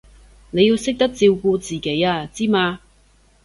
你要識得照顧自己啊，知嘛？